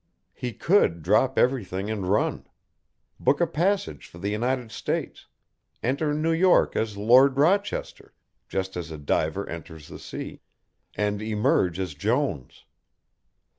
He could drop everything and run. Book a passage for the United States, enter New York as Lord Rochester, just as a diver enters the sea, and emerge as Jones.